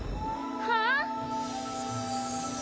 はあ？